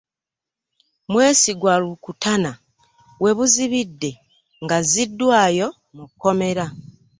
Mwesigwa Rukutana we buzibidde ng'azziddwayo mu kkomera.